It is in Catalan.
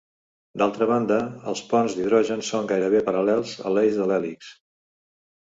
D'altra banda, els ponts d'hidrogen són gairebé paral·lels a l'eix de l'hèlix.